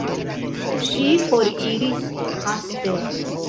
Ŝi foriris haste.